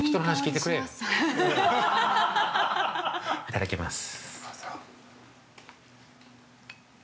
◆いただきます。